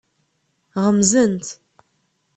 Ɣemzent.